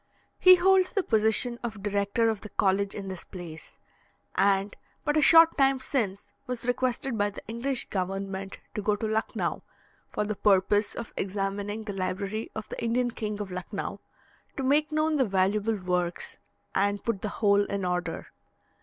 He holds the position of Director of the College in this place, and but a short time since was requested by the English government to go to Lucknau, for the purpose of examining the library of the Indian King of Lucknau, to make known the valuable works, and put the whole in order.